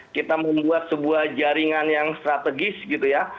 kita membuat sebuah jaringan yang strategis gitu ya